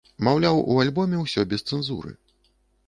Маўляў у альбоме ўсё без цэнзуры.